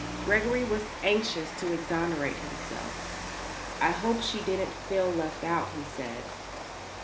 Gregory was anxious to exonerate himself. "I hope she didn't feel left out;" he said.